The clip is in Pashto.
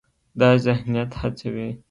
دا ذهنیت هڅوي،